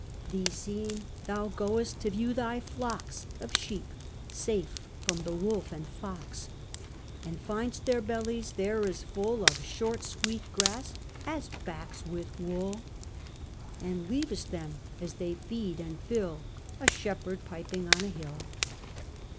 These seen, thou go'st to view thy flocks Of sheep, safe from the wolf and fox, And find'st their bellies there as full Of short sweet grass, as backs with wool: And leav'st them, as they feed and fill, A shepherd piping on a hill.